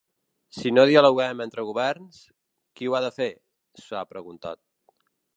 Si no dialoguem entre governs, qui ho ha de fer?, s’ha preguntat.